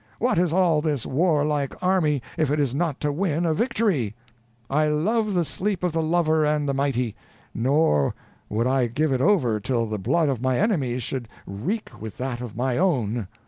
what is all this warlike army, if it is not to win a victory? I love the sleep of the lover and the mighty; nor would I give it over till the blood of my enemies should wreak with that of my own.